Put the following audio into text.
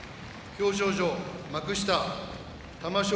表彰状幕下玉正